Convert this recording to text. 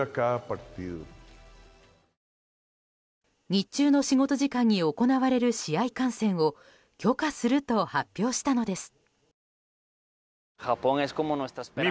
日中の仕事時間に行われる試合観戦を許可すると発表したのです。